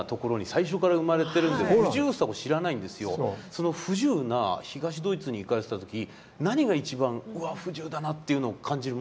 その不自由な東ドイツに行かれてた時何が一番「わあ不自由だな」っていうのを感じるもんなんですか？